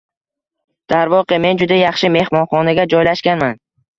Darvoqe, men juda yaxshi mehmonxonaga joylashganman.